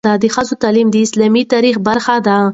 د ښځو تعلیم د اسلامي تاریخ برخه ده.